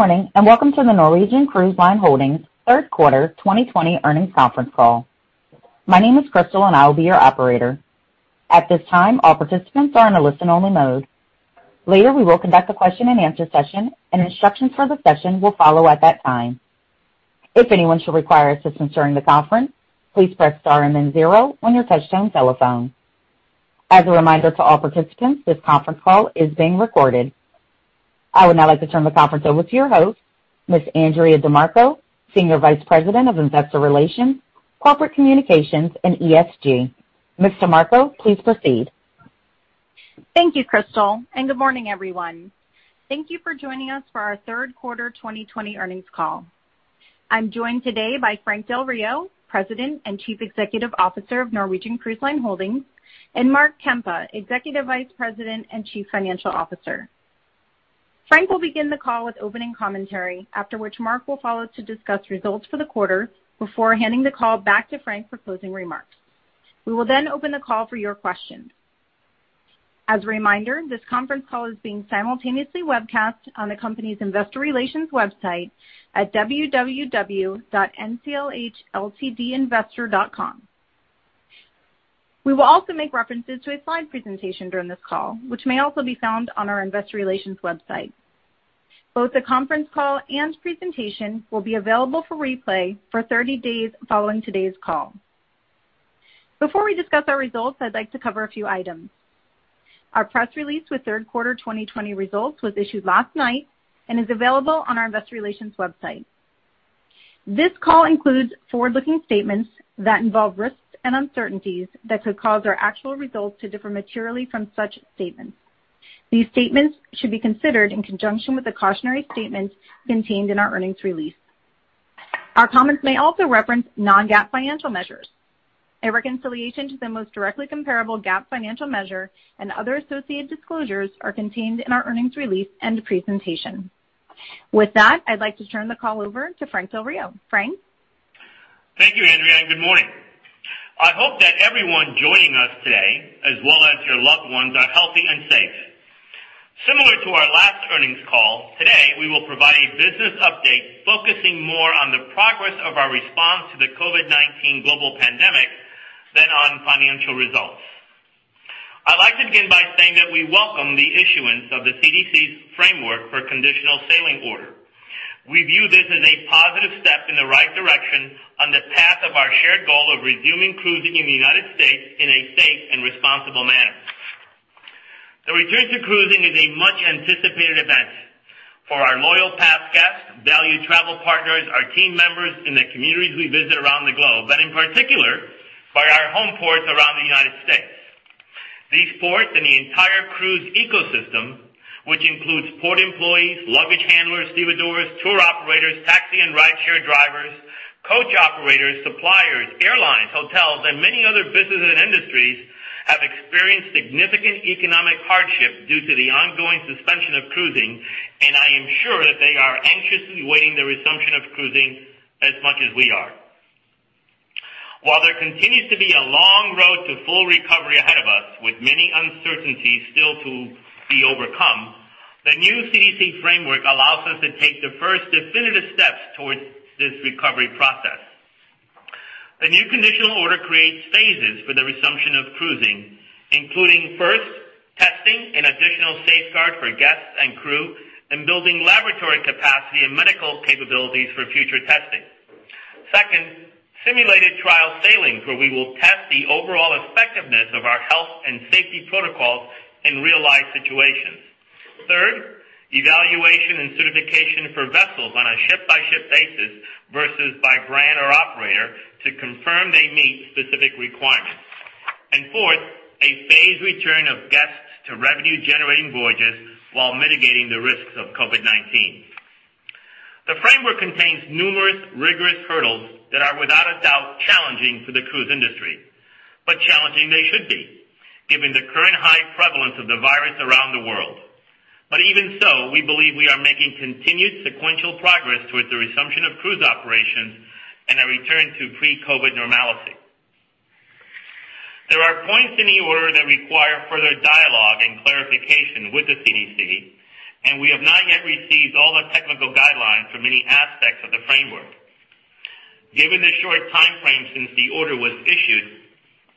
Good morning, and welcome to the Norwegian Cruise Line Holdings Third Quarter 2020 Earnings Conference Call. My name is Crystal, and I will be your operator. At this time, all participants are in a listen-only mode. Later, we will conduct a question-and-answer session, and instructions for the session will follow at that time. If anyone should require assistance during the conference, please press star and then zero on your touch-tone telephone. As a reminder to all participants, this conference call is being recorded. I would now like to turn the conference over to your host, Miss Andrea DeMarco, Senior Vice President of Investor Relations, Corporate Communications, and ESG. Miss DeMarco, please proceed. Thank you, Crystal, and good morning, everyone. Thank you for joining us for our third quarter 2020 earnings call. I'm joined today by Frank Del Rio, President and Chief Executive Officer of Norwegian Cruise Line Holdings, and Mark Kempa, Executive Vice President and Chief Financial Officer. Frank will begin the call with opening commentary, after which Mark will follow to discuss results for the quarter before handing the call back to Frank for closing remarks. We will then open the call for your questions. As a reminder, this conference call is being simultaneously webcast on the company's investor relations website at www.nclhltdinvestor.com. We will also make references to a slide presentation during this call, which may also be found on our investor relations website. Both the conference call and presentation will be available for replay for 30 days following today's call. Before we discuss our results, I'd like to cover a few items. Our press release with third quarter 2020 results was issued last night and is available on our investor relations website. This call includes forward-looking statements that involve risks and uncertainties that could cause our actual results to differ materially from such statements. These statements should be considered in conjunction with the cautionary statements contained in our earnings release. Our comments may also reference non-GAAP financial measures. A reconciliation to the most directly comparable GAAP financial measure and other associated disclosures are contained in our earnings release and presentation. With that, I'd like to turn the call over to Frank Del Rio. Frank? Thank you, Andrea, and good morning. I hope that everyone joining us today, as well as your loved ones, are healthy and safe. Similar to our last earnings call, today, we will provide a business update focusing more on the progress of our response to the COVID-19 global pandemic than on financial results. I'd like to begin by saying that we welcome the issuance of the CDC's Framework for Conditional Sailing Order. We view this as a positive step in the right direction on the path of our shared goal of resuming cruising in the United States in a safe and responsible manner. The return to cruising is a much-anticipated event for our loyal past guests, valued travel partners, our team members in the communities we visit around the globe, but in particular, by our homeports around the United States. These ports and the entire cruise ecosystem, which includes port employees, luggage handlers, stevedores, tour operators, taxi and rideshare drivers, coach operators, suppliers, airlines, hotels, and many other businesses and industries, have experienced significant economic hardship due to the ongoing suspension of cruising, and I am sure that they are anxiously awaiting the resumption of cruising as much as we are. While there continues to be a long road to full recovery ahead of us, with many uncertainties still to be overcome, the new CDC Framework allows us to take the first definitive steps towards this recovery process. The new Conditional Order creates phases for the resumption of cruising, including first, testing an additional safeguard for guests and crew and building laboratory capacity and medical capabilities for future testing. Second, simulated trial sailings, where we will test the overall effectiveness of our health and safety protocols in real-life situations. Third, evaluation and certification for vessels on a ship-by-ship basis versus by brand or operator to confirm they meet specific requirements. Fourth, a phased return of guests to revenue-generating voyages while mitigating the risks of COVID-19. The framework contains numerous rigorous hurdles that are without a doubt challenging for the cruise industry, but challenging they should be given the current high prevalence of the virus around the world. Even so, we believe we are making continued sequential progress towards the resumption of cruise operations and a return to pre-COVID normalcy. There are points in the order that require further dialogue and clarification with the CDC, and we have not yet received all the technical guidelines for many aspects of the framework. Given the short timeframe since the order was issued,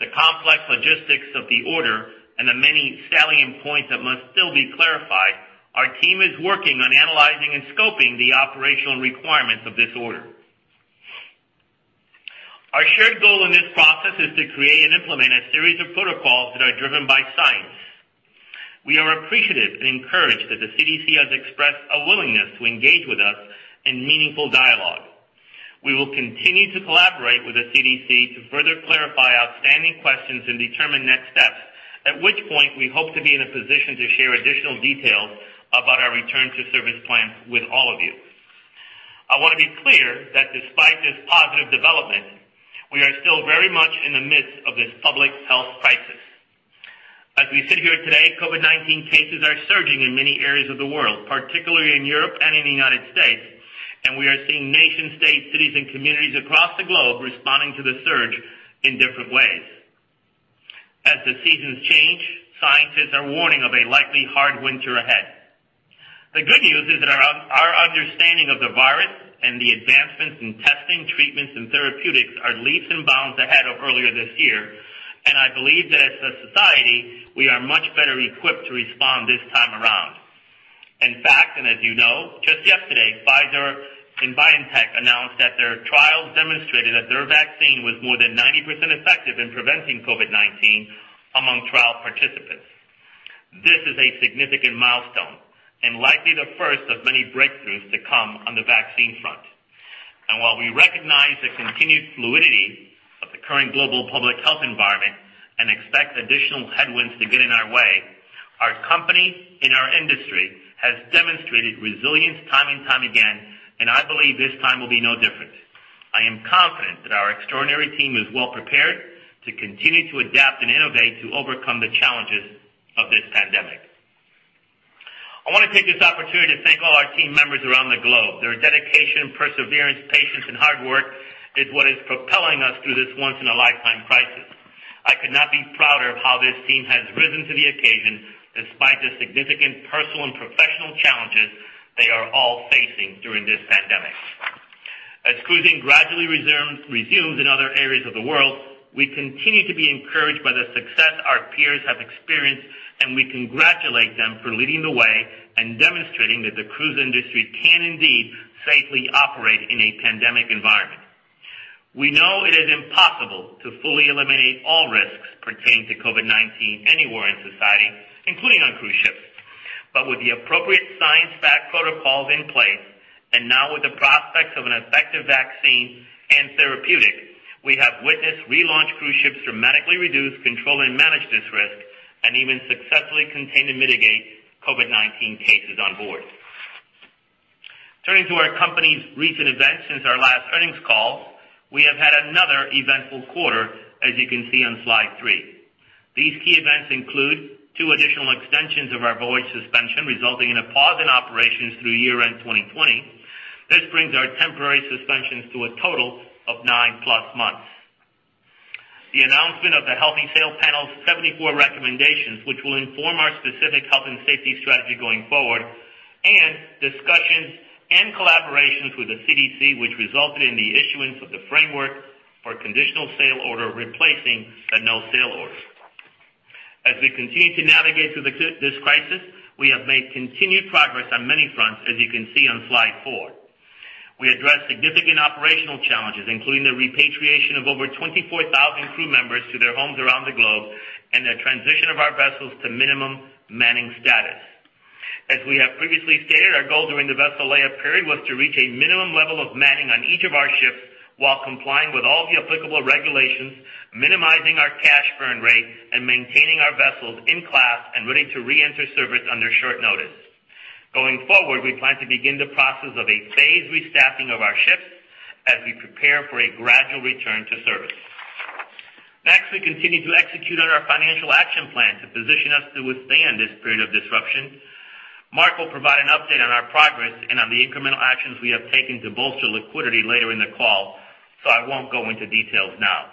the complex logistics of the order, and the many salient points that must still be clarified, our team is working on analyzing and scoping the operational requirements of this order. Our shared goal in this process is to create and implement a series of protocols that are driven by science. We are appreciative and encouraged that the CDC has expressed a willingness to engage with us in meaningful dialogue. We will continue to collaborate with the CDC to further clarify outstanding questions and determine next steps, at which point we hope to be in a position to share additional details about our return to service plans with all of you. I want to be clear that despite this positive development, we are still very much in the midst of this public health crisis. As we sit here today, COVID-19 cases are surging in many areas of the world, particularly in Europe and in the United States, and we are seeing nations, states, cities, and communities across the globe responding to the surge in different ways. Seasons change. Scientists are warning of a likely hard winter ahead. The good news is that our understanding of the virus and the advancements in testing, treatments, and therapeutics are leaps and bounds ahead of earlier this year, and I believe that as a society, we are much better equipped to respond this time around. In fact, and as you know, just yesterday, Pfizer and BioNTech announced that their trials demonstrated that their vaccine was more than 90% effective in preventing COVID-19 among trial participants. This is a significant milestone and likely the first of many breakthroughs to come on the vaccine front. While we recognize the continued fluidity of the current global public health environment and expect additional headwinds to get in our way, our company and our industry has demonstrated resilience time and time again, and I believe this time will be no different. I am confident that our extraordinary team is well prepared to continue to adapt and innovate to overcome the challenges of this pandemic. I want to take this opportunity to thank all our team members around the globe. Their dedication, perseverance, patience, and hard work is what is propelling us through this once-in-a-lifetime crisis. I could not be prouder of how this team has risen to the occasion despite the significant personal and professional challenges they are all facing during this pandemic. As cruising gradually resumes in other areas of the world, we continue to be encouraged by the success our peers have experienced, and we congratulate them for leading the way and demonstrating that the cruise industry can indeed safely operate in a pandemic environment. We know it is impossible to fully eliminate all risks pertaining to COVID-19 anywhere in society, including on cruise ships. With the appropriate science-backed protocols in place, and now with the prospects of an effective vaccine and therapeutic, we have witnessed relaunched cruise ships dramatically reduce, control, and manage this risk, and even successfully contain and mitigate COVID-19 cases on board. Turning to our company's recent events since our last earnings call, we have had another eventful quarter, as you can see on slide three. These key events include two additional extensions of our voyage suspension, resulting in a pause in operations through year-end 2020. This brings our temporary suspensions to a total of nine-plus months. The announcement of the Healthy Sail Panel's 74 recommendations, which will inform our specific health and safety strategy going forward, and discussions and collaborations with the CDC, which resulted in the issuance of the framework for Conditional Sail Order replacing the No Sail Order. As we continue to navigate through this crisis, we have made continued progress on many fronts, as you can see on slide four. We addressed significant operational challenges, including the repatriation of over 24,000 crew members to their homes around the globe and the transition of our vessels to minimum manning status. As we have previously stated, our goal during the vessel layup period was to reach a minimum level of manning on each of our ships while complying with all the applicable regulations, minimizing our cash burn rate, and maintaining our vessels in class and ready to reenter service under short notice. Going forward, we plan to begin the process of a phased restaffing of our ships as we prepare for a gradual return to service. Next, we continue to execute on our financial action plan to position us to withstand this period of disruption. Mark will provide an update on our progress and on the incremental actions we have taken to bolster liquidity later in the call, so I won't go into details now.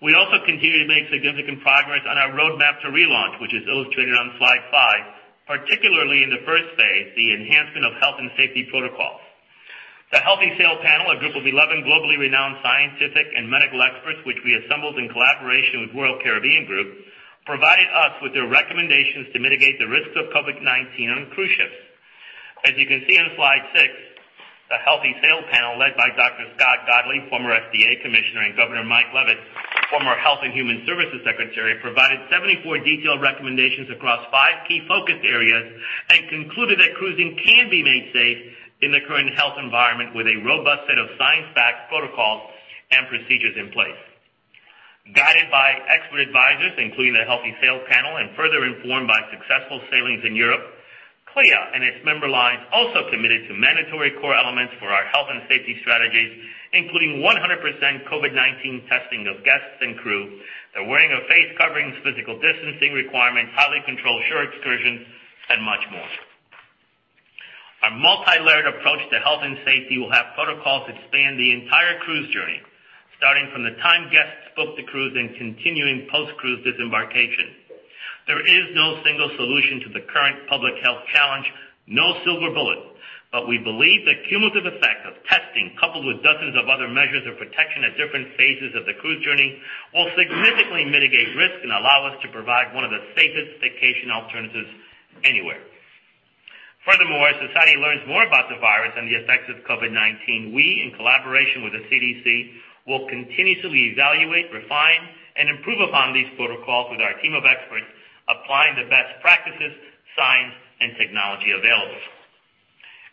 We also continue to make significant progress on our roadmap to relaunch, which is illustrated on slide five, particularly in the first phase, the enhancement of health and safety protocols. The Healthy Sail Panel, a group of 11 globally renowned scientific and medical experts, which we assembled in collaboration with Royal Caribbean Group, provided us with their recommendations to mitigate the risks of COVID-19 on cruise ships. As you can see on slide six, the Healthy Sail Panel, led by Dr. Scott Gottlieb, former FDA commissioner, and Governor Mike Leavitt, former Health and Human Services secretary, provided 74 detailed recommendations across five key focus areas and concluded that cruising can be made safe in the current health environment with a robust set of science-backed protocols and procedures in place. Guided by expert advisors, including the Healthy Sail Panel, and further informed by successful sailings in Europe, CLIA and its member lines also committed to mandatory core elements for our health and safety strategies, including 100% COVID-19 testing of guests and crew, the wearing of face coverings, physical distancing requirements, highly controlled shore excursions, and much more. Our multilayered approach to health and safety will have protocols that span the entire cruise journey, starting from the time guests book the cruise and continuing post-cruise disembarkation. There is no single solution to the current public health challenge, no silver bullet, but we believe the cumulative effect of testing, coupled with dozens of other measures of protection at different phases of the cruise journey, will significantly mitigate risk and allow us to provide one of the safest vacation alternatives anywhere. As society learns more about the virus and the effects of COVID-19, we, in collaboration with the CDC, will continuously evaluate, refine, and improve upon these protocols with our team of experts, applying the best practices, science, and technology available.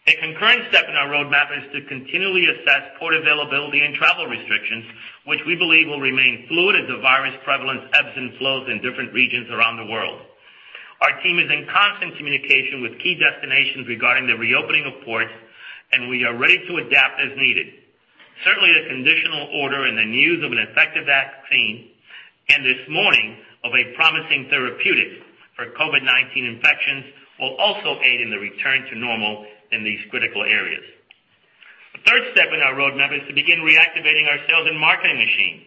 A concurrent step in our roadmap is to continually assess port availability and travel restrictions, which we believe will remain fluid as the virus prevalence ebbs and flows in different regions around the world. Our team is in constant communication with key destinations regarding the reopening of ports, and we are ready to adapt as needed. The Conditional Order and the news of an effective vaccine, and this morning, of a promising therapeutic for COVID-19 infections, will also aid in the return to normal in these critical areas. Third step in our roadmap is to begin reactivating our sales and marketing machine.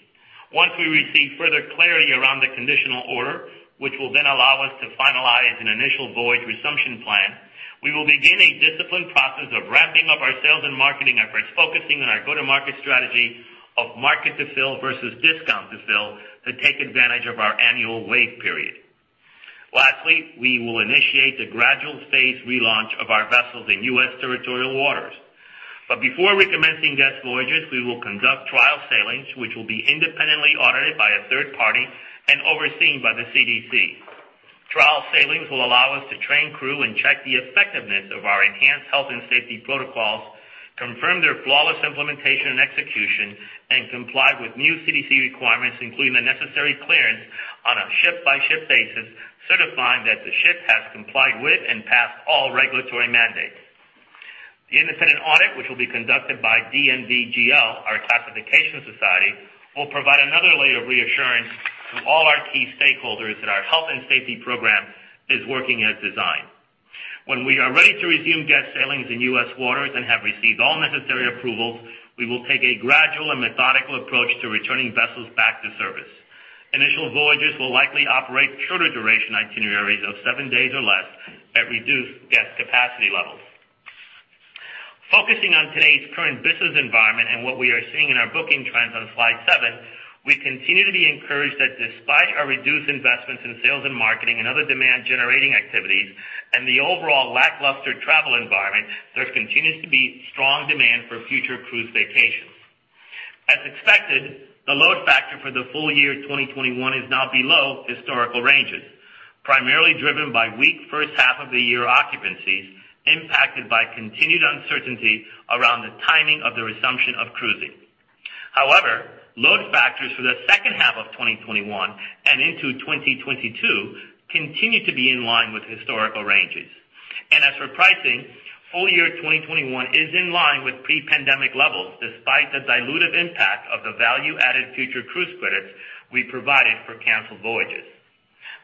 Once we receive further clarity around the Conditional Order, which will then allow us to finalize an initial voyage resumption plan, we will begin a disciplined process of ramping up our sales and marketing efforts, focusing on our go-to-market strategy of market to fill versus discount to fill to take advantage of our annual wave period. Lastly, we will initiate the gradual phased relaunch of our vessels in U.S. territorial waters. Before recommencing guest voyages, we will conduct trial sailings, which will be independently audited by a third party and overseen by the CDC. Trial sailings will allow us to train crew and check the effectiveness of our enhanced health and safety protocols, confirm their flawless implementation and execution, and comply with new CDC requirements, including the necessary clearance on a ship-by-ship basis, certifying that the ship has complied with and passed all regulatory mandates. The independent audit, which will be conducted by DNV GL, our classification society, will provide another layer of reassurance to all our key stakeholders that our health and safety program is working as designed. When we are ready to resume guest sailings in U.S. waters and have received all necessary approvals, we will take a gradual and methodical approach to returning vessels back to service. Initial voyages will likely operate shorter duration itineraries of seven days or less at reduced guest capacity levels. Focusing on today's current business environment and what we are seeing in our booking trends on slide seven, we continue to be encouraged that despite our reduced investments in sales and marketing and other demand-generating activities and the overall lackluster travel environment, there continues to be strong demand for future cruise vacations. As expected, the load factor for the full year 2021 is now below historical ranges, primarily driven by weak first half of the year occupancies impacted by continued uncertainty around the timing of the resumption of cruising. However, load factors for the second half of 2021 and into 2022 continue to be in line with historical ranges. As for pricing, full year 2021 is in line with pre-pandemic levels, despite the dilutive impact of the value-added future cruise credits we provided for canceled voyages.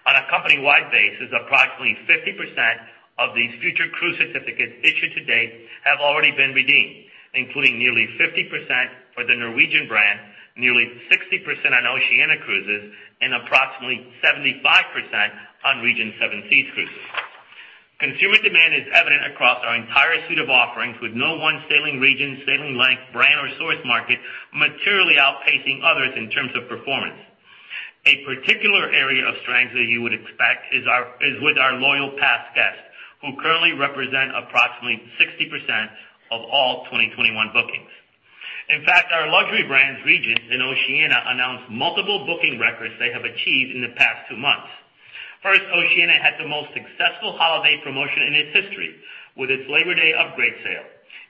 On a company-wide basis, approximately 50% of these future cruise certificates issued to date have already been redeemed, including nearly 50% for the Norwegian brand, nearly 60% on Oceania Cruises, and approximately 75% on Regent Seven Seas Cruises. Consumer demand is evident across our entire suite of offerings, with no one sailing region, sailing length, brand, or source market materially outpacing others in terms of performance. A particular area of strength that you would expect is with our loyal past guests, who currently represent approximately 60% of all 2021 bookings. In fact, our luxury brands, Regent and Oceania, announced multiple booking records they have achieved in the past two months. First, Oceania had the most successful holiday promotion in its history with its Labor Day upgrade sale.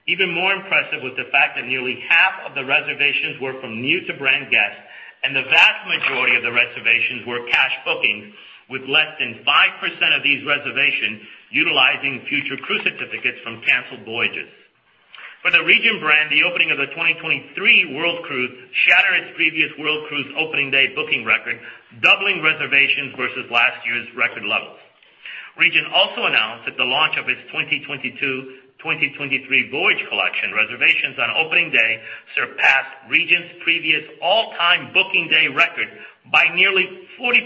Even more impressive was the fact that nearly half of the reservations were from new-to-brand guests, and the vast majority of the reservations were cash bookings, with less than 5% of these reservations utilizing future cruise certificates from canceled voyages. For the Regent brand, the opening of the 2023 World Cruise shattered its previous World Cruise opening day booking record, doubling reservations versus last year's record levels. Regent also announced that the launch of its 2022-2023 voyage collection reservations on opening day surpassed Regent's previous all-time booking day record by nearly 40%,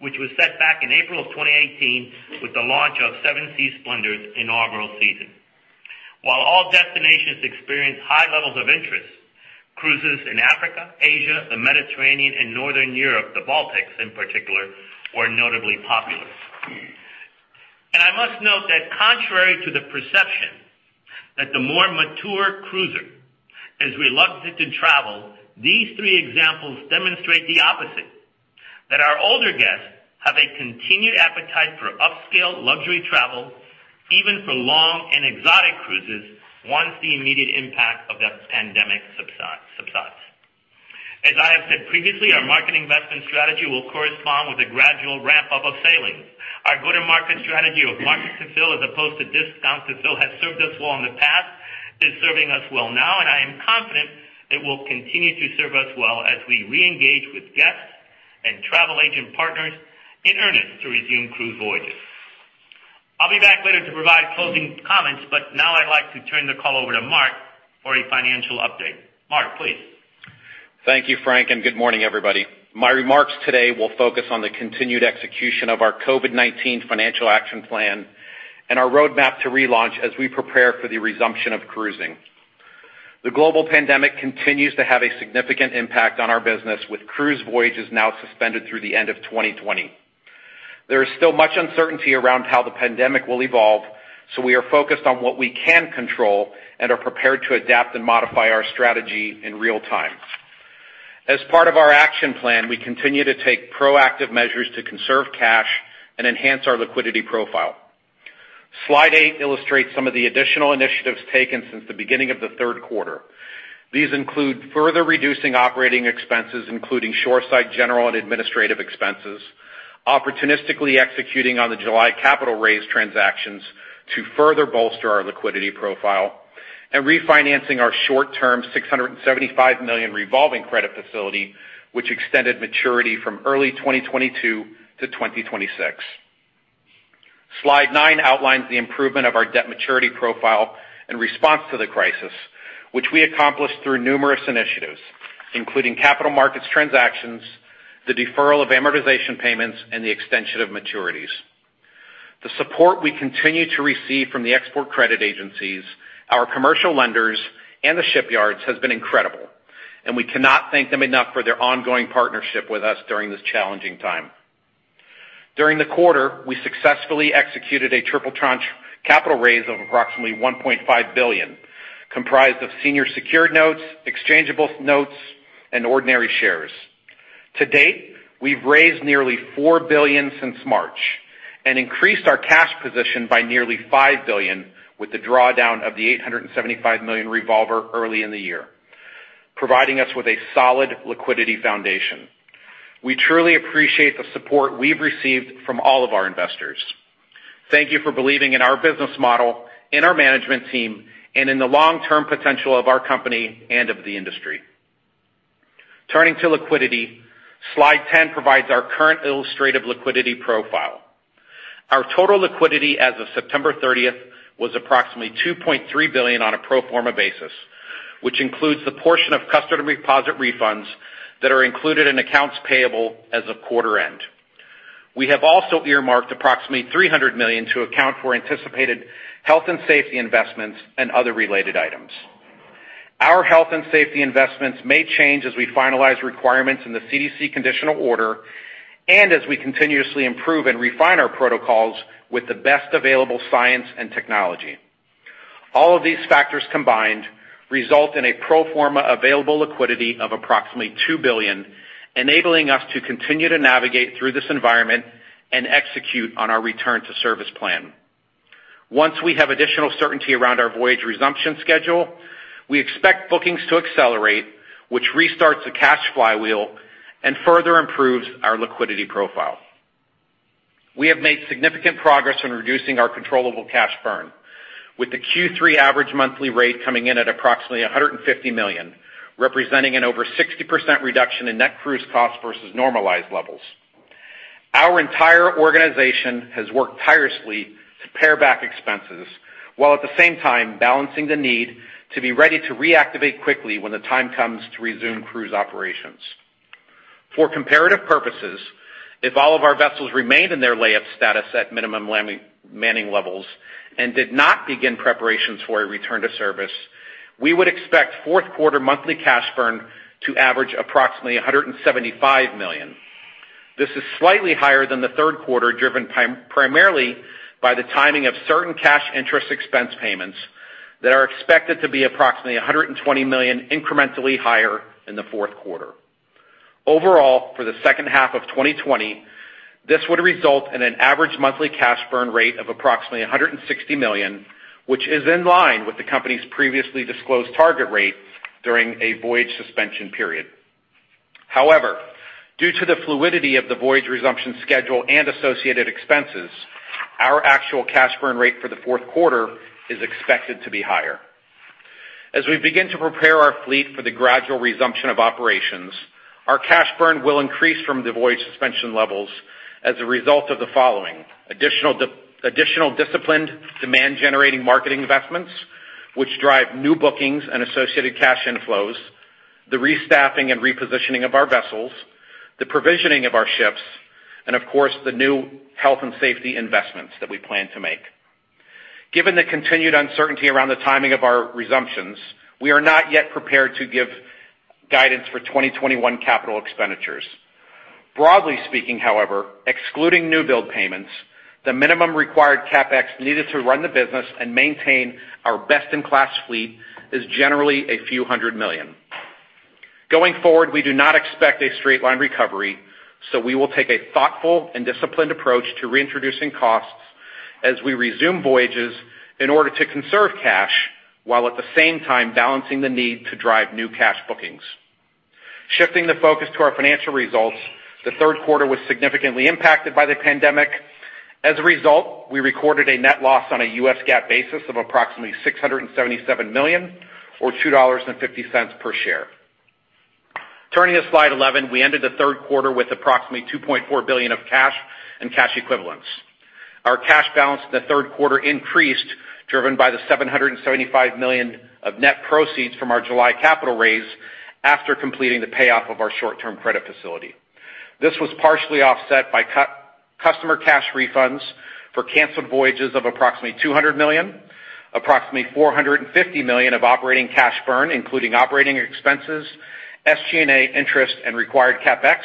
which was set back in April of 2018 with the launch of Seven Seas Splendor's inaugural season. While all destinations experienced high levels of interest, cruises in Africa, Asia, the Mediterranean, and Northern Europe, the Baltics in particular, were notably popular. I must note that contrary to the perception that the more mature cruiser is reluctant to travel, these three examples demonstrate the opposite, that our older guests have a continued appetite for upscale luxury travel, even for long and exotic cruises, once the immediate impact of the pandemic subsides. As I have said previously, our marketing investment strategy will correspond with the gradual ramp-up of sailings. Our go-to-market strategy of market to fill as opposed to discount to fill has served us well in the past, is serving us well now. I am confident it will continue to serve us well as we reengage with guests and travel agent partners in earnest to resume cruise voyages. I'll be back later to provide closing comments. Now I'd like to turn the call over to Mark for a financial update. Mark, please. Thank you, Frank, and good morning, everybody. My remarks today will focus on the continued execution of our COVID-19 financial action plan and our roadmap to relaunch as we prepare for the resumption of cruising. The global pandemic continues to have a significant impact on our business, with cruise voyages now suspended through the end of 2020. There is still much uncertainty around how the pandemic will evolve, so we are focused on what we can control and are prepared to adapt and modify our strategy in real time. As part of our action plan, we continue to take proactive measures to conserve cash and enhance our liquidity profile. Slide eight illustrates some of the additional initiatives taken since the beginning of the third quarter. These include further reducing operating expenses, including shoreside general and administrative expenses, opportunistically executing on the July capital raise transactions to further bolster our liquidity profile, and refinancing our short-term $675 million revolving credit facility, which extended maturity from early 2022 to 2026. Slide nine outlines the improvement of our debt maturity profile in response to the crisis, which we accomplished through numerous initiatives, including capital markets transactions, the deferral of amortization payments, and the extension of maturities. The support we continue to receive from the export credit agencies, our commercial lenders, and the shipyards has been incredible, and we cannot thank them enough for their ongoing partnership with us during this challenging time. During the quarter, we successfully executed a triple tranche capital raise of approximately $1.5 billion, comprised of senior secured notes, exchangeable notes, and ordinary shares. To date, we've raised nearly $4 billion since March and increased our cash position by nearly $5 billion with the drawdown of the $875 million revolver early in the year, providing us with a solid liquidity foundation. We truly appreciate the support we've received from all of our investors. Thank you for believing in our business model, in our management team, and in the long-term potential of our company and of the industry. Turning to liquidity. Slide 10 provides our current illustrative liquidity profile. Our total liquidity as of September 30th was approximately $2.3 billion on a pro forma basis, which includes the portion of customer deposit refunds that are included in accounts payable as of quarter end. We have also earmarked approximately $300 million to account for anticipated health and safety investments and other related items. Our health and safety investments may change as we finalize requirements in the CDC Conditional Order and as we continuously improve and refine our protocols with the best available science and technology. All of these factors combined result in a pro forma available liquidity of approximately $2 billion, enabling us to continue to navigate through this environment and execute on our return to service plan. Once we have additional certainty around our voyage resumption schedule, we expect bookings to accelerate, which restarts the cash flywheel and further improves our liquidity profile. We have made significant progress in reducing our controllable cash burn, with the Q3 average monthly rate coming in at approximately $150 million, representing an over 60% reduction in net cruise cost versus normalized levels. Our entire organization has worked tirelessly to pare back expenses, while at the same time balancing the need to be ready to reactivate quickly when the time comes to resume cruise operations. For comparative purposes, if all of our vessels remained in their layup status at minimum manning levels and did not begin preparations for a return to service, we would expect fourth quarter monthly cash burn to average approximately $175 million. This is slightly higher than the third quarter, driven primarily by the timing of certain cash interest expense payments that are expected to be approximately $120 million incrementally higher in the fourth quarter. Overall, for the second half of 2020, this would result in an average monthly cash burn rate of approximately $160 million, which is in line with the company's previously disclosed target rate during a voyage suspension period. Due to the fluidity of the voyage resumption schedule and associated expenses, our actual cash burn rate for the fourth quarter is expected to be higher. As we begin to prepare our fleet for the gradual resumption of operations, our cash burn will increase from the voyage suspension levels as a result of the following: Additional disciplined demand-generating marketing investments, which drive new bookings and associated cash inflows, the restaffing and repositioning of our vessels, the provisioning of our ships, and of course, the new health and safety investments that we plan to make. Given the continued uncertainty around the timing of our resumptions, we are not yet prepared to give guidance for 2021 capital expenditures. Broadly speaking, however, excluding new build payments, the minimum required CapEx needed to run the business and maintain our best-in-class fleet is generally a few hundred million. Going forward, we do not expect a straight line recovery, so we will take a thoughtful and disciplined approach to reintroducing costs as we resume voyages in order to conserve cash, while at the same time balancing the need to drive new cash bookings. Shifting the focus to our financial results, the third quarter was significantly impacted by the pandemic. As a result, we recorded a net loss on a U.S. GAAP basis of approximately $677 million or $2.50 per share. Turning to slide 11. We ended the third quarter with approximately $2.4 billion of cash and cash equivalents. Our cash balance in the third quarter increased, driven by the $775 million of net proceeds from our July capital raise after completing the payoff of our short-term credit facility. This was partially offset by customer cash refunds for canceled voyages of approximately $200 million, approximately $450 million of operating cash burn, including operating expenses, SG&A, interest, and required CapEx,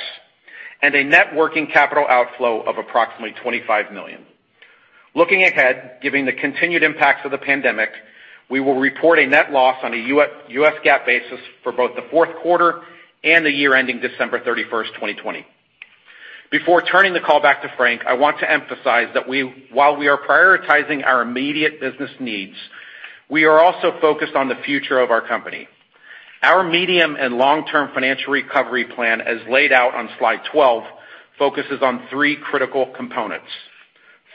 and a net working capital outflow of approximately $25 million. Looking ahead, given the continued impacts of the pandemic, we will report a net loss on a U.S. GAAP basis for both the fourth quarter and the year ending December 31st, 2020. Before turning the call back to Frank, I want to emphasize that while we are prioritizing our immediate business needs, we are also focused on the future of our company. Our medium and long-term financial recovery plan, as laid out on slide 12, focuses on three critical components.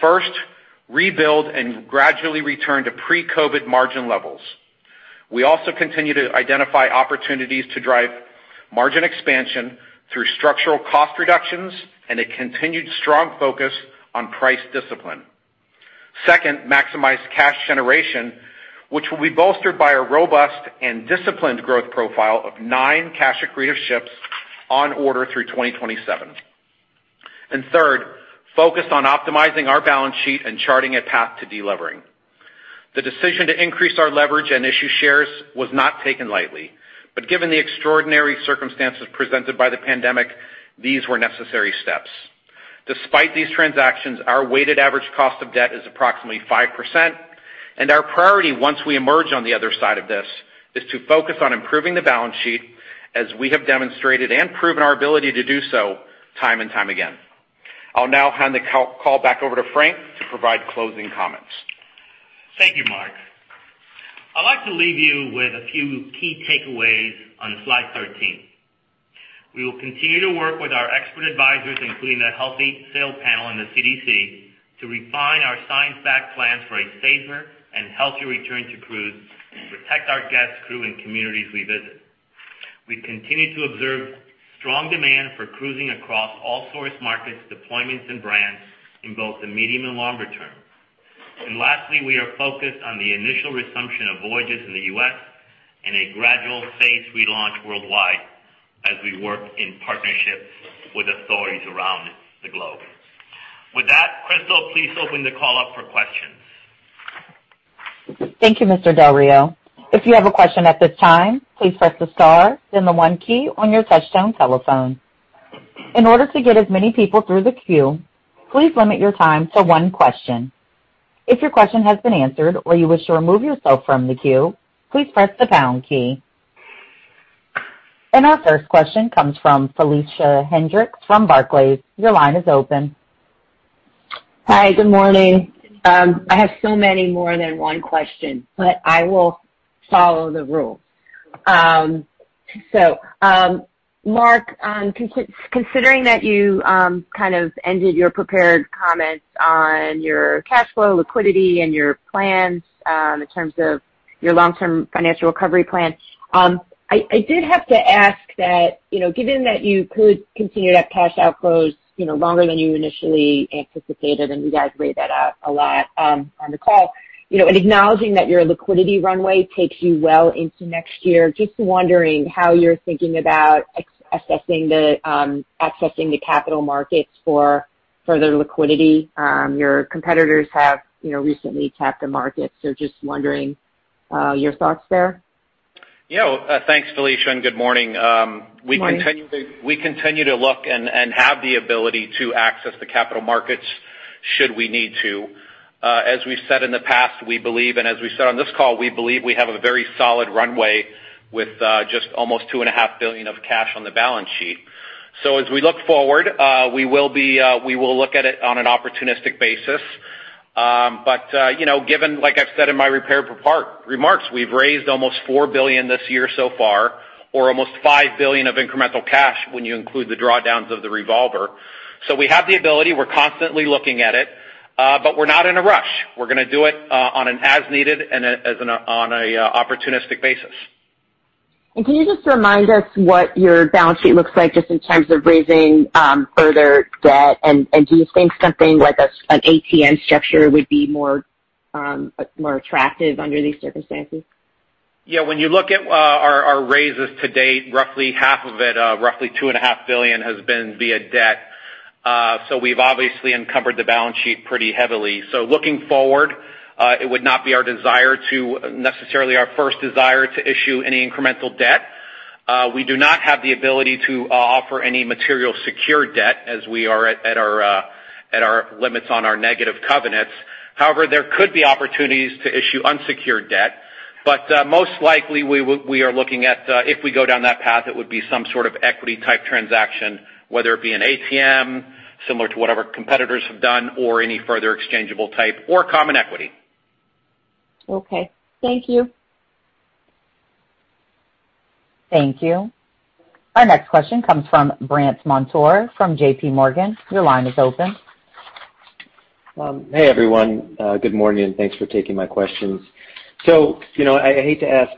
First, rebuild and gradually return to pre-COVID margin levels. We also continue to identify opportunities to drive margin expansion through structural cost reductions and a continued strong focus on price discipline. Second, maximize cash generation, which will be bolstered by a robust and disciplined growth profile of nine cash-accretive ships on order through 2027. Third, focus on optimizing our balance sheet and charting a path to de-levering. The decision to increase our leverage and issue shares was not taken lightly, but given the extraordinary circumstances presented by the pandemic, these were necessary steps. Despite these transactions, our weighted average cost of debt is approximately 5%, and our priority once we emerge on the other side of this, is to focus on improving the balance sheet as we have demonstrated and proven our ability to do so time and time again. I'll now hand the call back over to Frank to provide closing comments. Thank you, Mark. I'd like to leave you with a few key takeaways on slide 13. We will continue to work with our expert advisors, including a Healthy Sail Panel and the CDC, to refine our science-backed plans for a safer and healthier return to cruise, protect our guests, crew, and communities we visit. We continue to observe strong demand for cruising across all source markets, deployments, and brands in both the medium and longer term. Lastly, we are focused on the initial resumption of voyages in the U.S. and a gradual phased relaunch worldwide as we work in partnership with authorities around the globe. With that, Crystal, please open the call up for questions. Thank you, Mr. Del Rio. If you have a question at this time, please press the star, then the one key on your touchtone telephone. In order to get as many people through the queue, please limit your time to one question. If your question has been answered, or you wish to remove yourself from the queue, please press the pound key. Our first question comes from Felicia Hendrix from Barclays. Your line is open. Hi, good morning. I have so many more than one question, but I will follow the rules. Mark, considering that you kind of ended your prepared comments on your cash flow liquidity and your plans in terms of your long-term financial recovery plan, I did have to ask that, given that you could continue to have cash outflows longer than you initially anticipated, and you guys weighed that a lot on the call, and acknowledging that your liquidity runway takes you well into next year, just wondering how you're thinking about accessing the capital markets for further liquidity. Your competitors have recently tapped the market, just wondering your thoughts there. Yeah. Thanks, Felicia, and good morning. Morning. We continue to look and have the ability to access the capital markets should we need to. As we've said in the past, we believe, and as we said on this call, we believe we have a very solid runway with just almost $2.5 billion of cash on the balance sheet. As we look forward, we will look at it on an opportunistic basis. Given, like I've said in my prepared remarks, we've raised almost $4 billion this year so far, or almost $5 billion of incremental cash when you include the drawdowns of the revolver. We have the ability, we're constantly looking at it, but we're not in a rush. We're going to do it on an as-needed and on an opportunistic basis. Can you just remind us what your balance sheet looks like, just in terms of raising further debt, and do you think something like an ATM structure would be more attractive under these circumstances? When you look at our raises to date, roughly half of it, roughly $2.5 billion has been via debt. We've obviously encumbered the balance sheet pretty heavily. Looking forward, it would not be necessarily our first desire to issue any incremental debt. We do not have the ability to offer any material secure debt as we are at our limits on our negative covenants. However, there could be opportunities to issue unsecured debt. Most likely, we are looking at if we go down that path, it would be some sort of equity-type transaction, whether it be an ATM similar to what our competitors have done, or any further exchangeable type or common equity. Okay. Thank you. Thank you. Our next question comes from Brandt Montour from JPMorgan. Your line is open. Hey, everyone. Good morning, and thanks for taking my questions. I hate to ask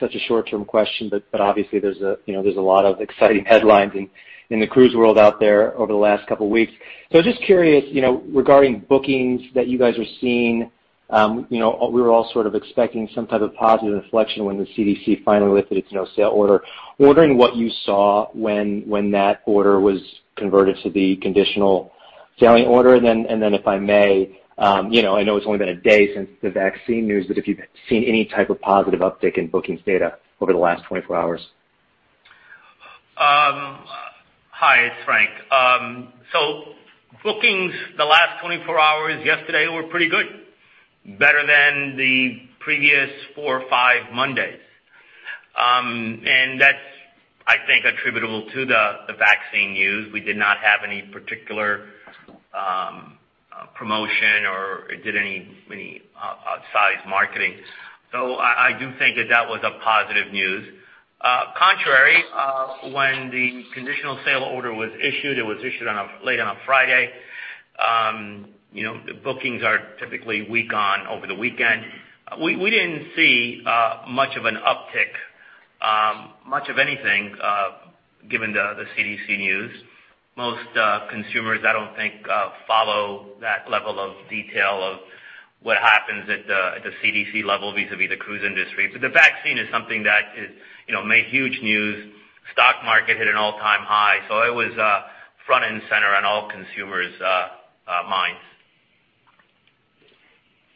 such a short-term question, but obviously there's a lot of exciting headlines in the cruise world out there over the last couple of weeks. Just curious, regarding bookings that you guys are seeing, we were all sort of expecting some type of positive inflection when the CDC finally lifted its No Sail Order. Wondering what you saw when that order was converted to the Conditional Sailing Order. If I may, I know it's only been a day since the vaccine news, but if you've seen any type of positive uptick in bookings data over the last 24 hours. Hi, it's Frank. Bookings the last 24 hours yesterday were pretty good. Better than the previous four or five Mondays. That's, I think, attributable to the vaccine news. We did not have any particular promotion or did any outsized marketing. I do think that that was a positive news. Contrary, when the Conditional Sail Order was issued, it was issued late on a Friday. The bookings are typically weak over the weekend. We didn't see much of an uptick, much of anything, given the CDC news. Most consumers, I don't think, follow that level of detail of what happens at the CDC level vis-a-vis the cruise industry. The vaccine is something that made huge news. Stock market hit an all-time high, so it was front and center on all consumers' minds.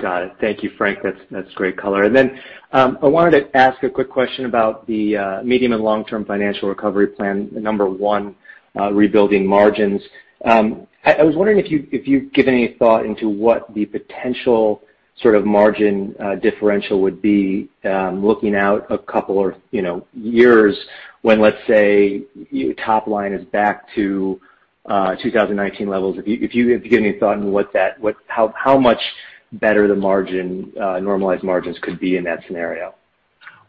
Got it. Thank you, Frank. That's great color. Then, I wanted to ask a quick question about the medium and long-term financial recovery plan. Number one, rebuilding margins. I was wondering if you've given any thought into what the potential margin differential would be, looking out a couple of years when, let's say, your top line is back to 2019 levels. If you could give me a thought on how much better the normalized margins could be in that scenario.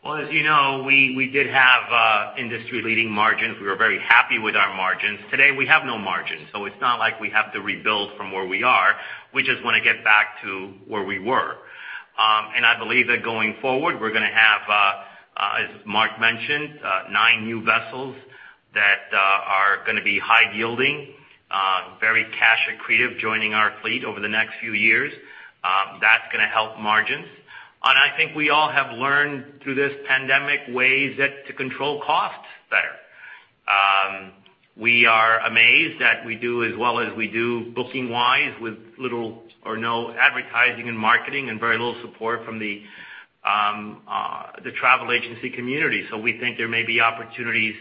Well, as you know, we did have industry-leading margins. We were very happy with our margins. Today, we have no margins, so it's not like we have to rebuild from where we are. We just want to get back to where we were. I believe that going forward, we're going to have, as Mark mentioned, nine new vessels that are going to be high yielding, very cash accretive, joining our fleet over the next few years. That's going to help margins. I think we all have learned through this pandemic ways to control costs better. We are amazed that we do as well as we do booking-wise with little or no advertising and marketing, and very little support from the travel agency community. We think there may be opportunities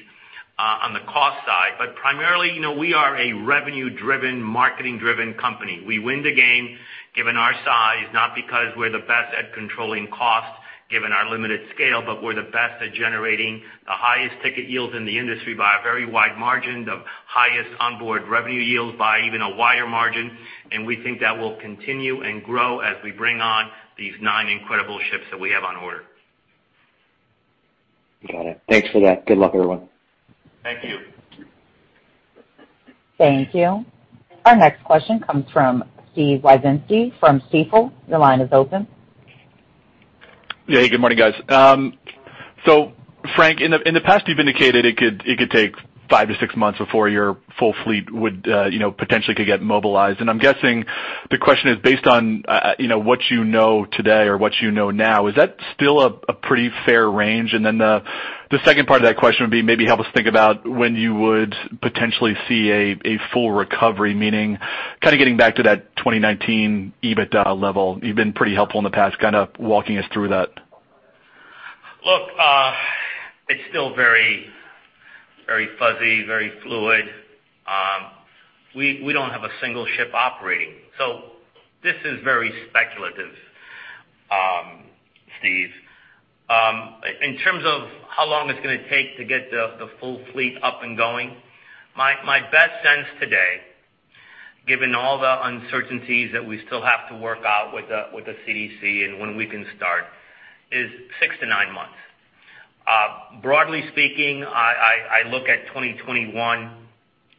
on the cost side. Primarily, we are a revenue-driven, marketing-driven company. We win the game, given our size, not because we're the best at controlling cost, given our limited scale, but we're the best at generating the highest ticket yields in the industry by a very wide margin, the highest onboard revenue yields by even a wider margin, and we think that will continue and grow as we bring on these nine incredible ships that we have on order. Got it. Thanks for that. Good luck, everyone. Thank you. Thank you. Our next question comes from Steve Wieczynski from Stifel. Your line is open. Yeah. Hey, good morning, guys. Frank, in the past, you've indicated it could take five to six months before your full fleet potentially could get mobilized, and I'm guessing the question is based on what you know today or what you know now. Is that still a pretty fair range? The second part of that question would be maybe help us think about when you would potentially see a full recovery, meaning kind of getting back to that 2019 EBITDA level. You've been pretty helpful in the past kind of walking us through that. Look, it's still very fuzzy, very fluid. We don't have a single ship operating. This is very speculative, Steve. In terms of how long it's going to take to get the full fleet up and going, my best sense today, given all the uncertainties that we still have to work out with the CDC and when we can start, is six to nine months. Broadly speaking, I look at 2021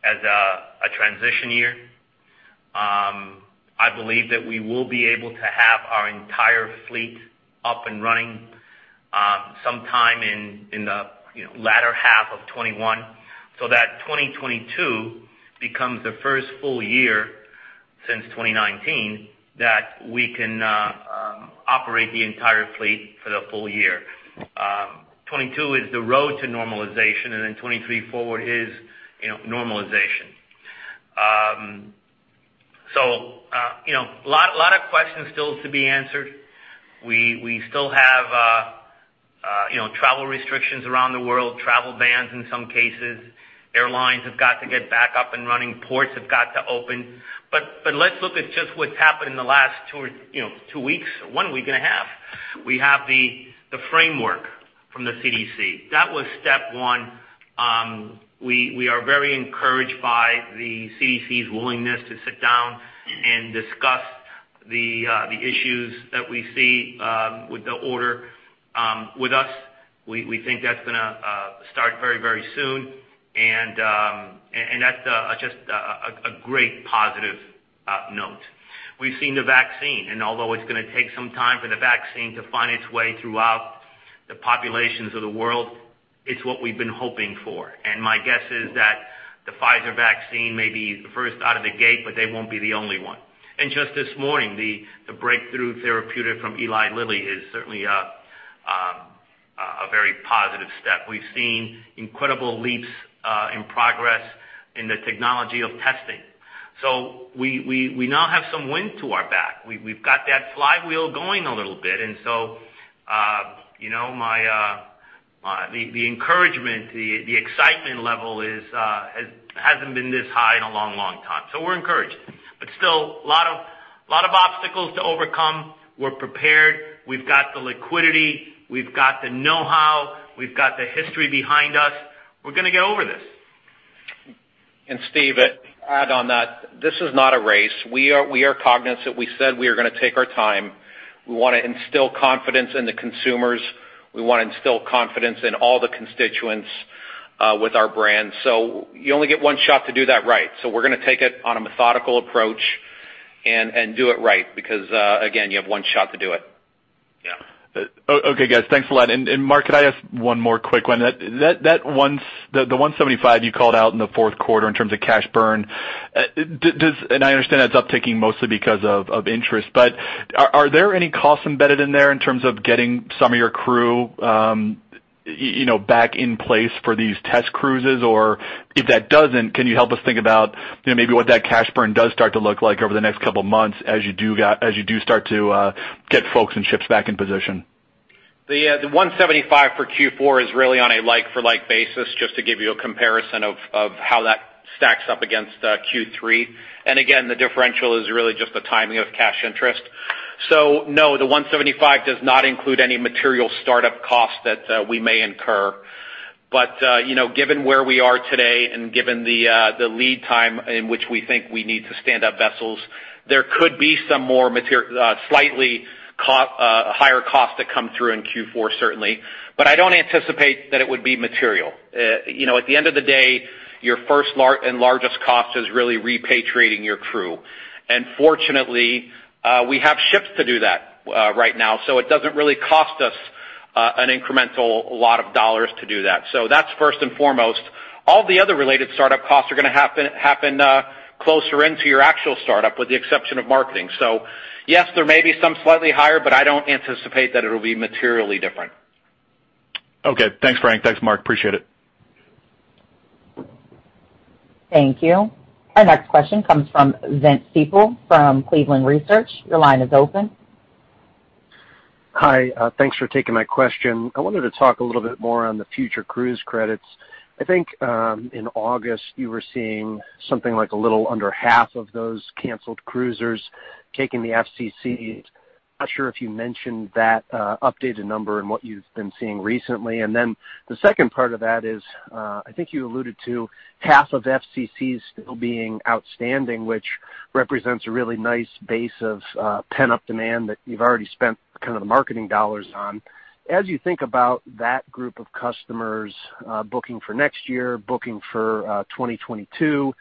as a transition year. I believe that we will be able to have our entire fleet up and running sometime in the latter half of 2021. That 2022 becomes the first full year since 2019 that we can operate the entire fleet for the full year. 2022 is the road to normalization, 2023 forward is normalization. A lot of questions still to be answered. We still have travel restrictions around the world, travel bans in some cases. Airlines have got to get back up and running. Ports have got to open. Let's look at just what's happened in the last two weeks or one week and a half. We have the Framework from the CDC. That was step one. We are very encouraged by the CDC's willingness to sit down and discuss the issues that we see with the Order with us. We think that's going to start very soon, and that's just a great positive note. We've seen the vaccine, and although it's going to take some time for the vaccine to find its way throughout the populations of the world, it's what we've been hoping for. My guess is that the Pfizer vaccine may be the first out of the gate, but they won't be the only one. Just this morning, the breakthrough therapeutic from Eli Lilly is certainly a very positive step. We've seen incredible leaps in progress in the technology of testing. We now have some wind to our back. We've got that flywheel going a little bit. The encouragement, the excitement level hasn't been this high in a long time. We're encouraged, but still a lot of obstacles to overcome. We're prepared. We've got the liquidity. We've got the know-how. We've got the history behind us. We're going to get over this. Steve, to add on that, this is not a race. We are cognizant. We said we are going to take our time. We want to instill confidence in the consumers. We want to instill confidence in all the constituents with our brand. You only get one shot to do that right. We're going to take it on a methodical approach and do it right, because, again, you have one shot to do it. Yeah. Okay, guys. Thanks a lot. Mark, could I ask one more quick one? The $175 million you called out in the fourth quarter in terms of cash burn, and I understand that's upticking mostly because of interest, but are there any costs embedded in there in terms of getting some of your crew back in place for these test cruises? If that doesn't, can you help us think about maybe what that cash burn does start to look like over the next couple of months as you do start to get folks and ships back in position? The $175 million for Q4 is really on a like-for-like basis, just to give you a comparison of how that stacks up against Q3. Again, the differential is really just the timing of cash interest. No, the $175 million does not include any material startup costs that we may incur. Given where we are today and given the lead time in which we think we need to stand up vessels, there could be some more slightly higher costs that come through in Q4, certainly. I don't anticipate that it would be material. At the end of the day, your first and largest cost is really repatriating your crew. Fortunately, we have ships to do that right now, so it doesn't really cost us an incremental lot of dollars to do that. That's first and foremost. All the other related startup costs are going to happen closer into your actual startup, with the exception of marketing. Yes, there may be some slightly higher, but I don't anticipate that it'll be materially different. Okay. Thanks, Frank. Thanks, Mark. Appreciate it. Thank you. Our next question comes from Vince Ciepiel from Cleveland Research. Your line is open. Hi. Thanks for taking my question. I wanted to talk a little bit more on the future cruise credits. I think, in August, you were seeing something like a little under half of those canceled cruisers taking the FCC. Not sure if you mentioned that updated number and what you've been seeing recently. The second part of that is, I think you alluded to half of FCCs still being outstanding, which represents a really nice base of pent-up demand that you've already spent kind of the marketing dollars on. As you think about that group of customers booking for next year, booking for 2022,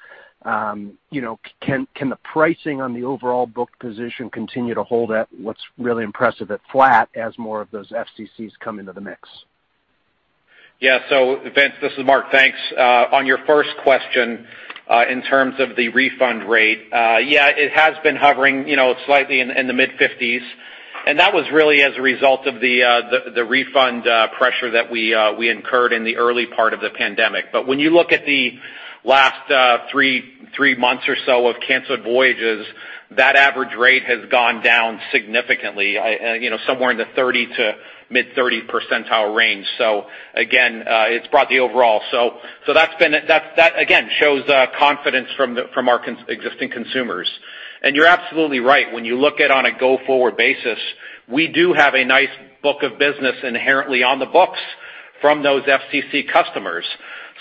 can the pricing on the overall book position continue to hold at what's really impressive at flat as more of those FCCs come into the mix? Yeah. Vince, this is Mark. Thanks. On your first question, in terms of the refund rate, yeah, it has been hovering slightly in the mid-50s, and that was really as a result of the refund pressure that we incurred in the early part of the pandemic. When you look at the last three months or so of canceled voyages, that average rate has gone down significantly, somewhere in the 30 to mid-30 percentile range. That, again, shows confidence from our existing consumers. You're absolutely right. When you look at on a go-forward basis, we do have a nice book of business inherently on the books from those FCC customers.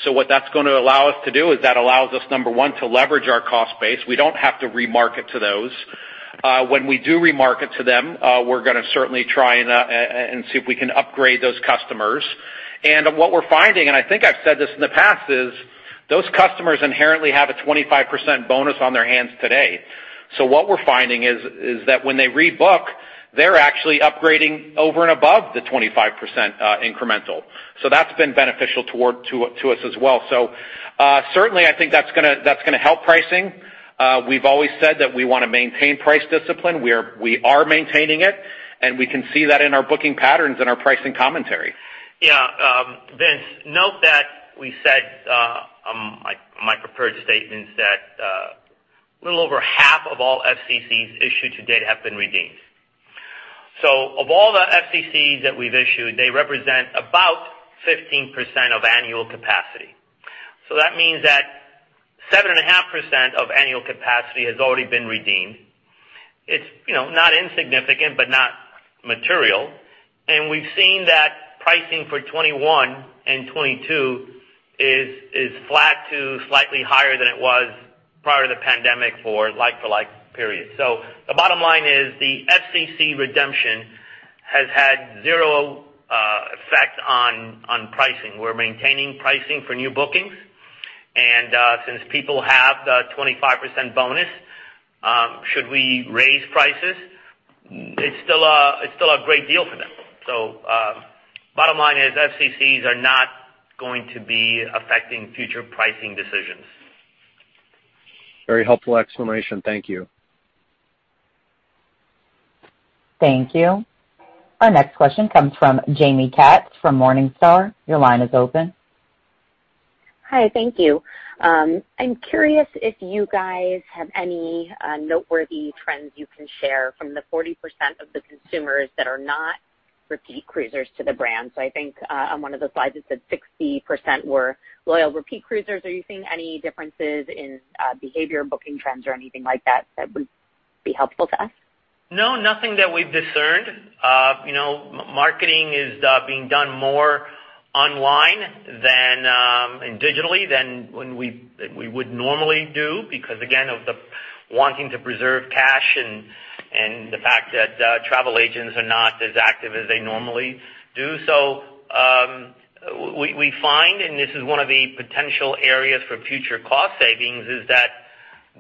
What that's going to allow us to do is that allows us, number one, to leverage our cost base. We don't have to remarket to those. When we do remarket to them, we're going to certainly try and see if we can upgrade those customers. What we're finding, and I think I've said this in the past, is those customers inherently have a 25% bonus on their hands today. What we're finding is that when they rebook, they're actually upgrading over and above the 25% incremental. That's been beneficial to us as well. Certainly, I think that's going to help pricing. We've always said that we want to maintain price discipline. We are maintaining it, and we can see that in our booking patterns and our pricing commentary. Yeah. Vince, note that we said in my prepared statements that a little over half of all FCCs issued to date have been redeemed. Of all the FCCs that we've issued, they represent about 15% of annual capacity. That means that 7.5% of annual capacity has already been redeemed. It's not insignificant but not material, and we've seen that pricing for 2021 and 2022 is flat to slightly higher than it was prior to the pandemic for like-for-like periods. The bottom line is the FCC redemption has had zero effect on pricing. We're maintaining pricing for new bookings, and since people have the 25% bonus, should we raise prices? It's still a great deal for them. Bottom line is FCCs are not going to be affecting future pricing decisions. Very helpful explanation. Thank you. Thank you. Our next question comes from Jaime Katz from Morningstar. Your line is open. Hi. Thank you. I'm curious if you guys have any noteworthy trends you can share from the 40% of the consumers that are not repeat cruisers to the brand. I think on one of the slides, it said 60% were loyal repeat cruisers. Are you seeing any differences in behavior, booking trends, or anything like that that would be helpful to us? No, nothing that we've discerned. Marketing is being done more online and digitally than we would normally do because, again, of the wanting to preserve cash and the fact that travel agents are not as active as they normally do. We find, and this is one of the potential areas for future cost savings, is that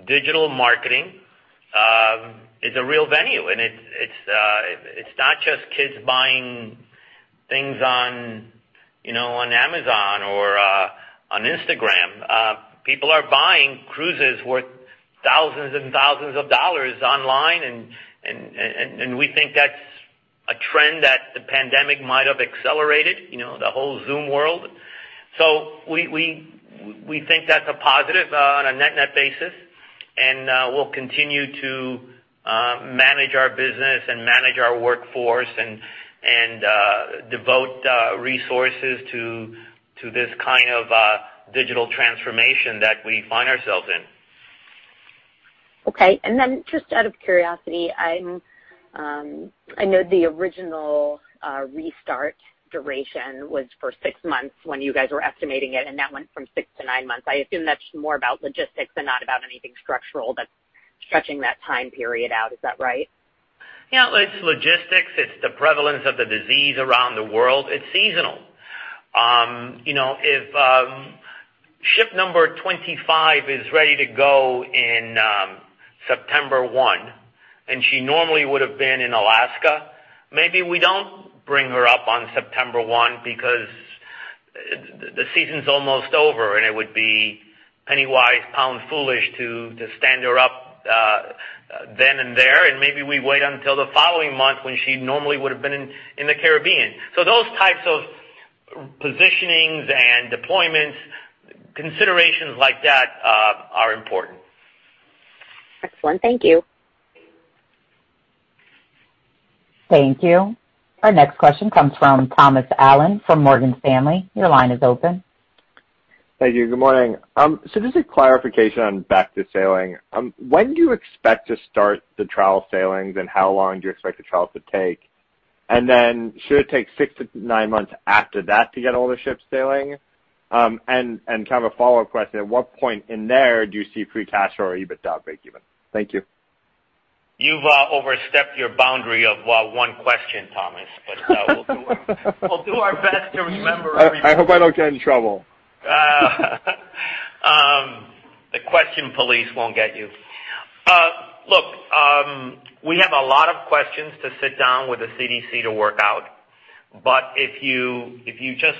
digital marketing is a real venue. It's not just kids buying things on Amazon or on Instagram. People are buying cruises worth thousands and thousands of dollars online, and we think that's a trend that the pandemic might have accelerated, the whole Zoom world. We think that's a positive on a net basis, and we'll continue to manage our business and manage our workforce and devote resources to this kind of digital transformation that we find ourselves in. Okay. Just out of curiosity, I know the original restart duration was for six months when you guys were estimating it, and that went from six to nine months. I assume that's more about logistics and not about anything structural that's stretching that time period out. Is that right? It's logistics. It's the prevalence of the disease around the world. It's seasonal. If ship number 25 is ready to go on September 1, and she normally would have been in Alaska, maybe we don't bring her up on September 1 because the season's almost over, and it would be penny-wise, pound-foolish to stand her up then and there, and maybe we wait until the following month when she normally would have been in the Caribbean. Those types of positionings and deployments, considerations like that are important. Excellent. Thank you. Thank you. Our next question comes from Thomas Allen from Morgan Stanley. Your line is open. Thank you. Good morning. Just a clarification on back to sailing. When do you expect to start the trial sailings, and how long do you expect the trial to take? Should it take six to nine months after that to get all the ships sailing? Kind of a follow-up question, at what point in there do you see free cash or EBITDA breakeven? Thank you. You've overstepped your boundary of one question, Thomas. We'll do our best to remember everything. I hope I don't get in trouble. The question police won't get you. Look, we have a lot of questions to sit down with the CDC to work out. If you just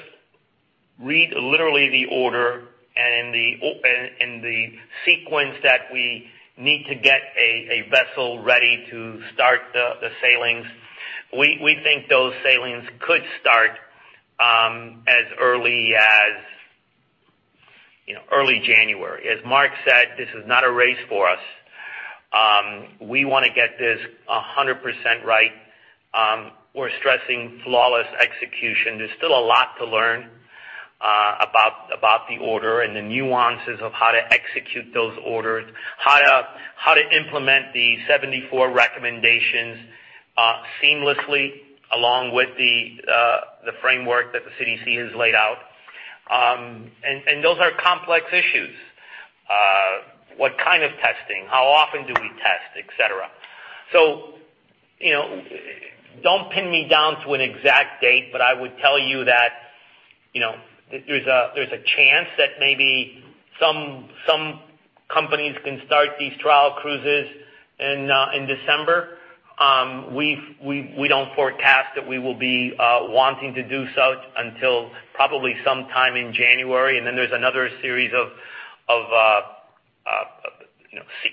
read literally the Order and the sequence that we need to get a vessel ready to start the sailings, we think those sailings could start as early as early January. As Mark said, this is not a race for us. We want to get this 100% right. We're stressing flawless execution. There's still a lot to learn about the Order and the nuances of how to execute those orders, how to implement the 74 recommendations seamlessly along with the Framework that the CDC has laid out. Those are complex issues. What kind of testing, how often do we test, et cetera. Don't pin me down to an exact date, but I would tell you that there's a chance that maybe some companies can start these trial cruises in December. We don't forecast that we will be wanting to do so until probably sometime in January. There's another series of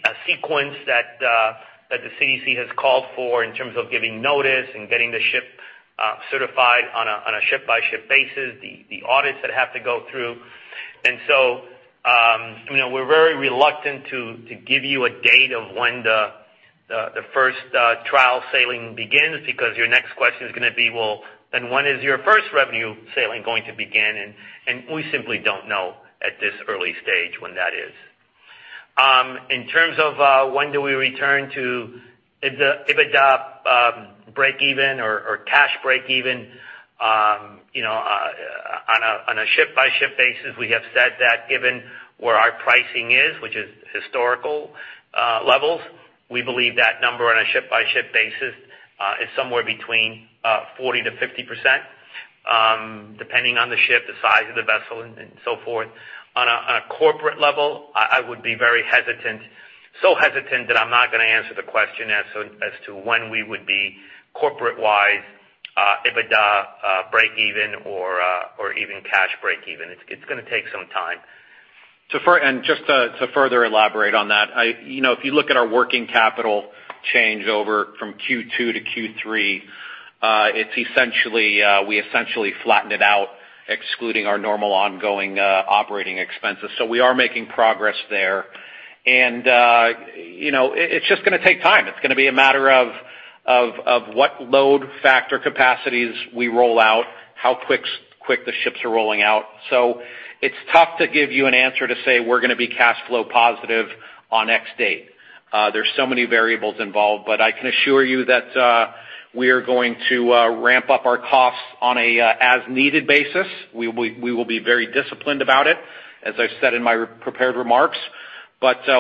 a sequence that the CDC has called for in terms of giving notice and getting the ship certified on a ship-by-ship basis, the audits that have to go through. We're very reluctant to give you a date of when the first trial sailing begins because your next question is going to be, well, then when is your first revenue sailing going to begin? We simply don't know at this early stage when that is. In terms of when do we return to EBITDA breakeven or cash breakeven on a ship-by-ship basis, we have said that given where our pricing is, which is historical levels, we believe that number on a ship-by-ship basis is somewhere between 40%-50%, depending on the ship, the size of the vessel, and so forth. On a corporate level, I would be very hesitant, so hesitant that I'm not going to answer the question as to when we would be corporate-wise EBITDA breakeven or even cash breakeven. It's going to take some time. Just to further elaborate on that, if you look at our working capital changeover from Q2 to Q3, we essentially flattened it out, excluding our normal ongoing operating expenses. We are making progress there. It's just going to take time. It's going to be a matter of what load factor capacities we roll out, how quick the ships are rolling out. It's tough to give you an answer to say we're going to be cash flow positive on X date There's so many variables involved, but I can assure you that we are going to ramp up our costs on an as-needed basis. We will be very disciplined about it, as I said in my prepared remarks.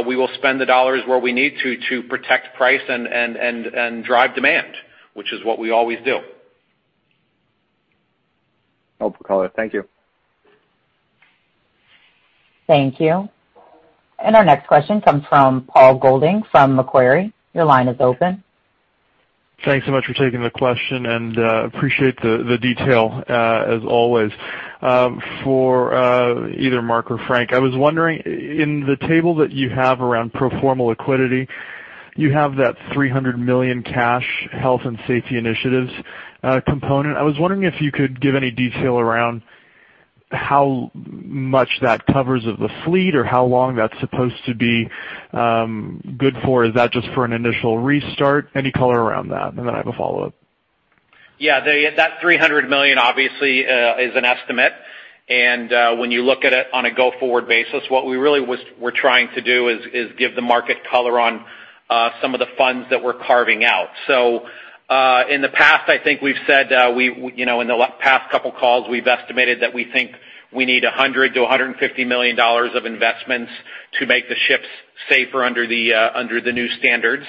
We will spend the dollars where we need to protect price and drive demand, which is what we always do. Thank you. Thank you. Our next question comes from Paul Golding from Macquarie. Your line is open. Thanks so much for taking the question, and appreciate the detail, as always. For either Mark or Frank, I was wondering, in the table that you have around pro forma liquidity, you have that $300 million cash health and safety initiatives component. I was wondering if you could give any detail around how much that covers of the fleet or how long that's supposed to be good for. Is that just for an initial restart? Any color around that, and then I have a follow-up. Yeah. That $300 million obviously is an estimate. When you look at it on a go-forward basis, what we really were trying to do is give the market color on some of the funds that we're carving out. In the past, I think we've said, in the past couple of calls, we've estimated that we think we need $100 million-$150 million of investments to make the ships safer under the new standards.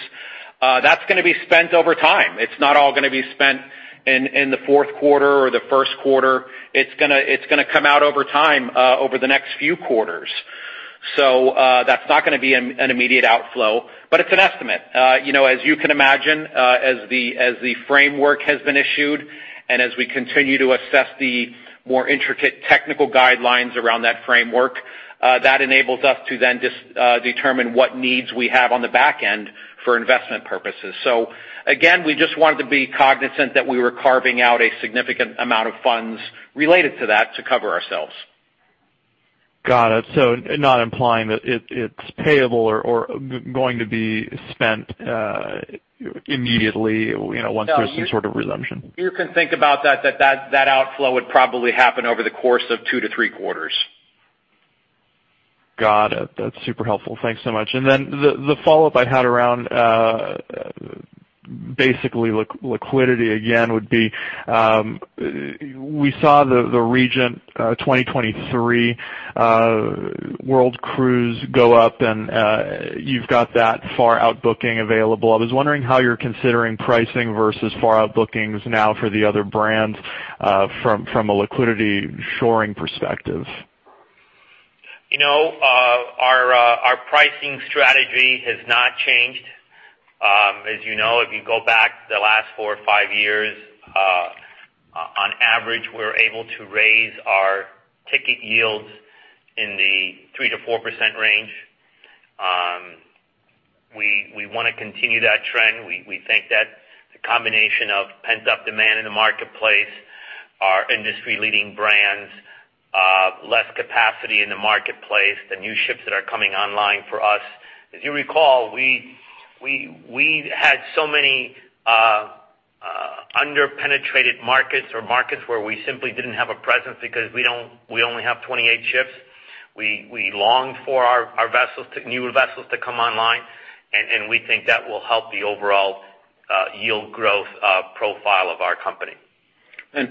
That's going to be spent over time. It's not all going to be spent in the fourth quarter or the first quarter. It's going to come out over time, over the next few quarters. That's not going to be an immediate outflow, but it's an estimate. As you can imagine, as the framework has been issued and as we continue to assess the more intricate technical guidelines around that framework, that enables us to then determine what needs we have on the back end for investment purposes. Again, we just wanted to be cognizant that we were carving out a significant amount of funds related to that to cover ourselves. Got it. Not implying that it's payable or going to be spent immediately once there's some sort of resumption. You can think about that outflow would probably happen over the course of two to three quarters. Got it. That's super helpful. Thanks so much. The follow-up I had around basically liquidity again would be, we saw the Regent 2023 World Cruise go up, and you've got that far-out booking available. I was wondering how you're considering pricing versus far-out bookings now for the other brands from a liquidity shoring perspective. Our pricing strategy has not changed. As you know, if you go back the last four or five years, on average, we're able to raise our ticket yields in the 3%-4% range. We want to continue that trend. We think that the combination of pent-up demand in the marketplace, our industry-leading brands, less capacity in the marketplace, the new ships that are coming online for us. If you recall, we had so many under-penetrated markets or markets where we simply didn't have a presence because we only have 28 ships. We longed for our new vessels to come online, and we think that will help the overall yield growth profile of our company.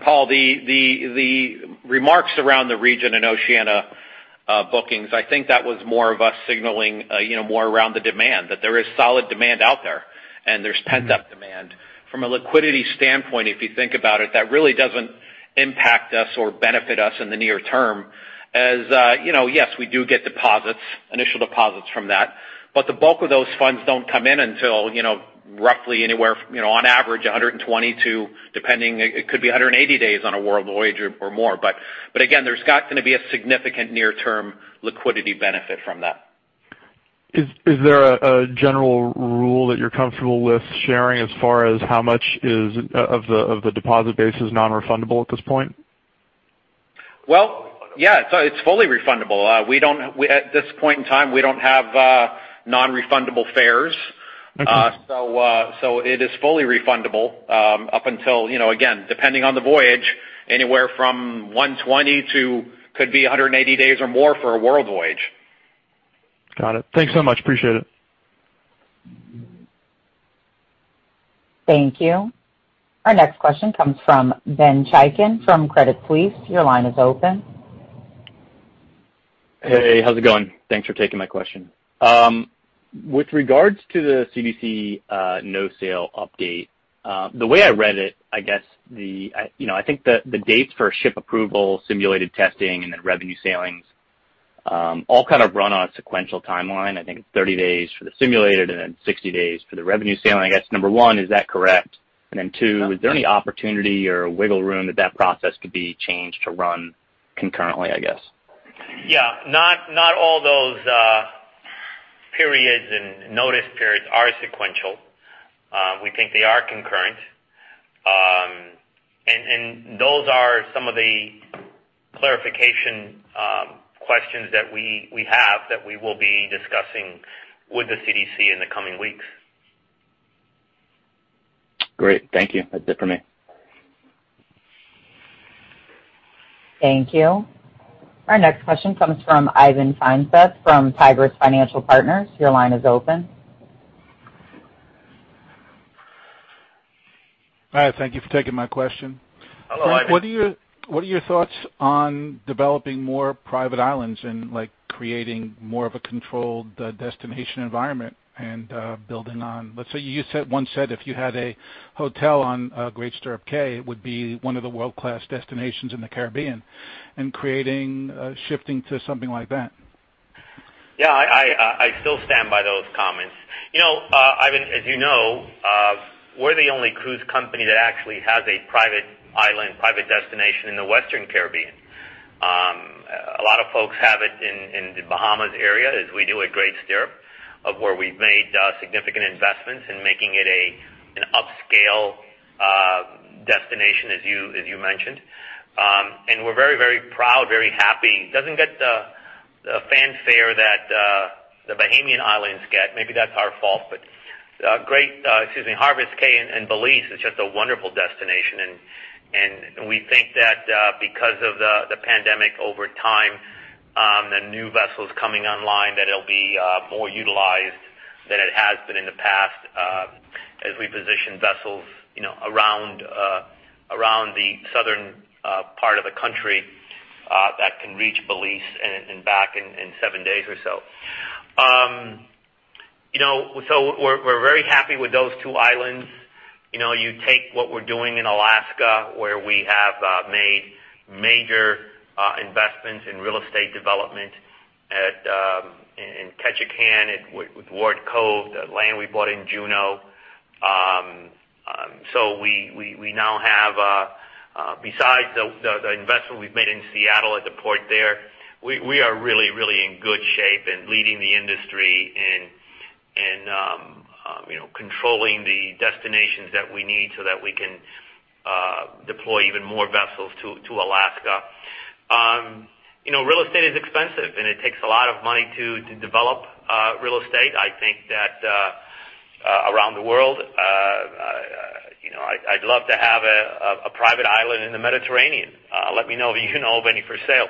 Paul, the remarks around the Regent and Oceania bookings, I think that was more of us signaling more around the demand, that there is solid demand out there and there's pent-up demand. From a liquidity standpoint, if you think about it, that really doesn't impact us or benefit us in the near term as, yes, we do get initial deposits from that. The bulk of those funds don't come in until roughly anywhere on average, 120 days to, depending, it could be 180 days on a world voyage or more. Again, there's not going to be a significant near-term liquidity benefit from that. Is there a general rule that you're comfortable with sharing as far as how much of the deposit base is non-refundable at this point? Well, yeah. It's fully refundable. At this point in time, we don't have non-refundable fares. Okay. It is fully refundable up until, again, depending on the voyage, anywhere from 120 days to could be 180 days or more for a world voyage. Got it. Thanks so much. Appreciate it. Thank you. Our next question comes from Ben Chaiken from Credit Suisse. Your line is open. Hey, how's it going? Thanks for taking my question. With regards to the CDC No Sail update, the way I read it, I think the dates for ship approval, simulated testing, and then revenue sailings all kind of run on a sequential timeline. I think it's 30 days for the simulated and then 60 days for the revenue sailing. I guess, number one, is that correct? Then two, is there any opportunity or wiggle room that that process could be changed to run concurrently, I guess? Yeah. Not all those periods and notice periods are sequential. We think they are concurrent. Those are some of the clarification questions that we have that we will be discussing with the CDC in the coming weeks. Great. Thank you. That's it for me. Thank you. Our next question comes from Ivan Feinseth from Tigress Financial Partners. Your line is open. Hi, thank you for taking my question. Hello, Ivan. What are your thoughts on developing more private islands and creating more of a controlled destination environment and building on, let's say, you once said if you had a hotel on Great Stirrup Cay, it would be one of the world-class destinations in the Caribbean, and creating, shifting to something like that? Yeah, I still stand by those comments. Ivan, as you know, we're the only cruise company that actually has a private island, private destination in the Western Caribbean. A lot of folks have it in the Bahamas area as we do at Great Stirrup, of where we've made significant investments in making it an upscale destination, as you mentioned. We're very, very proud, very happy. Doesn't get the fanfare that the Bahamian islands get. Maybe that's our fault, but Harvest Caye in Belize is just a wonderful destination, and we think that because of the pandemic over time, the new vessels coming online, that it'll be more utilized than it has been in the past, as we position vessels around the southern part of the country that can reach Belize and back in seven days or so. We're very happy with those two islands. You take what we're doing in Alaska, where we have made major investments in real estate development in Ketchikan, with Ward Cove, the land we bought in Juneau. We now have, besides the investment we've made in Seattle at the port there, we are really in good shape and leading the industry in controlling the destinations that we need so that we can deploy even more vessels to Alaska. Real estate is expensive, and it takes a lot of money to develop real estate. I think that around the world, I'd love to have a private island in the Mediterranean. Let me know if you know of any for sale.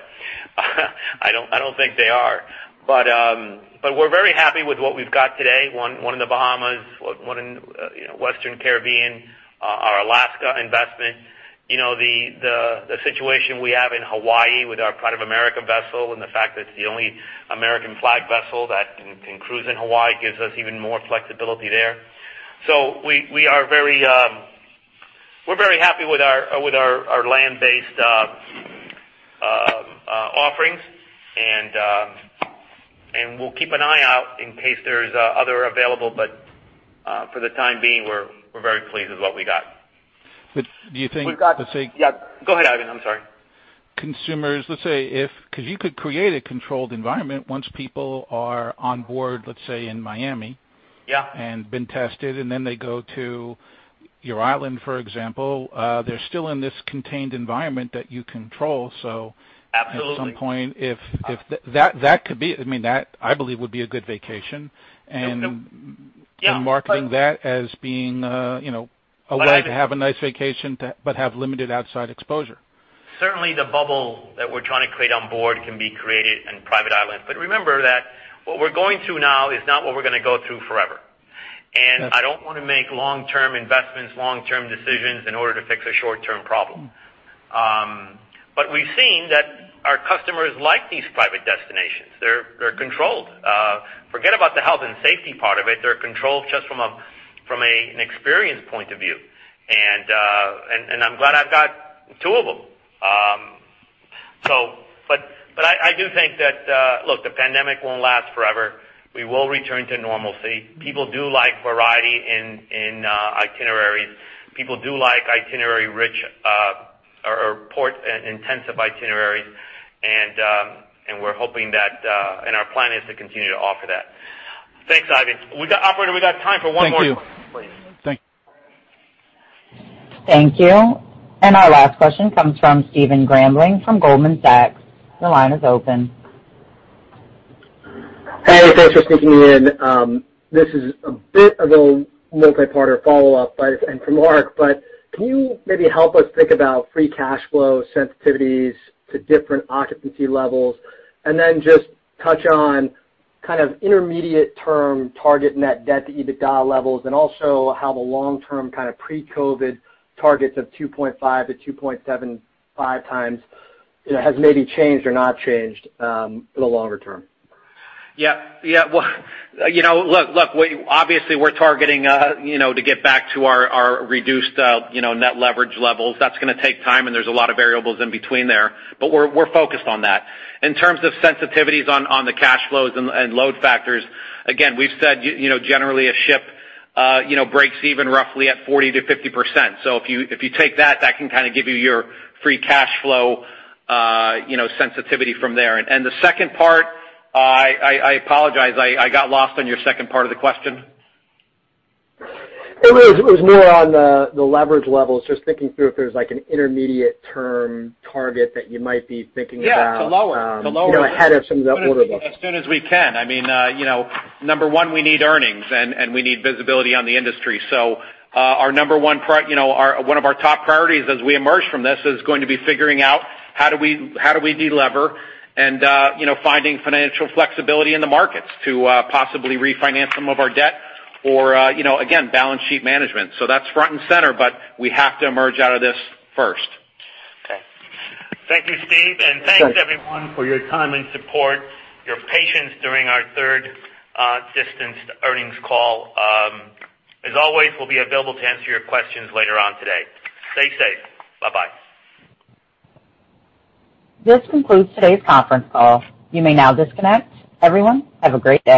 I don't think they are. We're very happy with what we've got today. One in the Bahamas, one in Western Caribbean, our Alaska investment. The situation we have in Hawaii with our Pride of America vessel, and the fact that it's the only American flag vessel that can cruise in Hawaii gives us even more flexibility there. We're very happy with our land-based offerings, and we'll keep an eye out in case there's other available, but for the time being, we're very pleased with what we got. Yeah, go ahead, Ivan, I'm sorry. Do you think consumers, let's say if, because you could create a controlled environment once people are on board, let's say in Miami. Yeah. Been tested, and then they go to your island, for example. They're still in this contained environment that you control at some point, that could be, that, I believe, would be a good vacation. Absolutely. Yeah. Marketing that as being a way to have a nice vacation but have limited outside exposure. Certainly, the bubble that we're trying to create on board can be created in private islands. Remember that what we're going through now is not what we're going to go through forever. Okay. I don't want to make long-term investments, long-term decisions in order to fix a short-term problem. We've seen that our customers like these private destinations. They're controlled. Forget about the health and safety part of it. They're controlled just from an experience point of view. I'm glad I've got two of them. I do think that the pandemic won't last forever. We will return to normalcy. People do like variety in itineraries. People do like itinerary-rich or port-intensive itineraries. Our plan is to continue to offer that. Thanks, Ivan. Operator, we got time for one more question, please. Thank you. Thank you. Our last question comes from Stephen Grambling from Goldman Sachs. Your line is open. Hey, thanks for sneaking me in. This is a bit of a multi-parter follow-up and for Mark, but can you maybe help us think about free cash flow sensitivities to different occupancy levels? Just touch on kind of intermediate-term target net debt to EBITDA levels, and also how the long-term kind of pre-COVID targets of 2.5x-2.75x, has maybe changed or not changed for the longer term? Yeah. Look, obviously, we're targeting to get back to our reduced net leverage levels. That's going to take time, and there's a lot of variables in between there, but we're focused on that. In terms of sensitivities on the cash flows and load factors, again, we've said, generally a ship breaks even roughly at 40%-50%. If you take that can kind of give you your free cash flow sensitivity from there. The second part, I apologize, I got lost on your second part of the question. It was more on the leverage levels, just thinking through if there's an intermediate-term target that you might be thinking about ahead of some of the order book. Yeah, to lower. As soon as we can. Number one, we need earnings, and we need visibility on the industry. One of our top priorities as we emerge from this is going to be figuring out how do we de-lever and finding financial flexibility in the markets to possibly refinance some of our debt or, again, balance sheet management. That's front and center, but we have to emerge out of this first. Okay. Thank you, Steve, and thanks everyone for your time and support, your patience during our third distanced earnings call. As always, we'll be available to answer your questions later on today. Stay safe. Bye-bye. This concludes today's conference call. You may now disconnect. Everyone, have a great day.